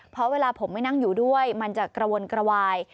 เพราะเวลาผมไม่นั่งอยู่ด้วยมันจะกระวนกระวาย